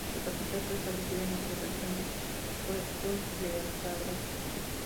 Su capital fue establecida en la población de Los Puertos de Altagracia.